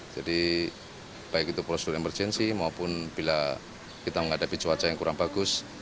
jadi baik itu prosedur emergensi maupun bila kita menghadapi cuaca yang kurang bagus